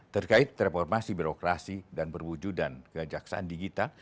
terkait reformasi birokrasi dan berwujudan kejaksaan digital